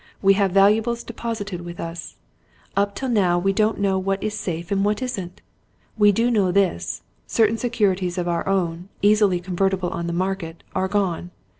We have valuables deposited with us. Up to now we don't know what is safe and what isn't. We do know this certain securities of our own, easily convertible on the market, are gone!